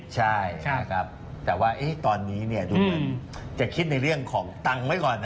ใช่นะครับแต่ว่าตอนนี้ดูเหมือนจะคิดในเรื่องของตังค์ไว้ก่อนนะ